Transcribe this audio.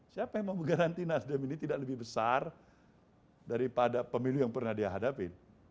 siapa yang memgaranti nasdem ini tidak lebih besar daripada pemilu yang pernah dihadapi